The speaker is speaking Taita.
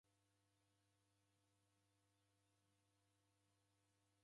W'aka w'unyanya w'abwaghilo anyaja.